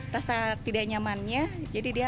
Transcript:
rasa tidak nyamannya jadi dia pakai game